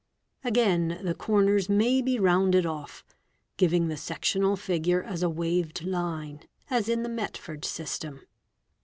Again the corners may be rounded off, giving Big. 51. the sectional figure as a waved line, as in the Metford — system.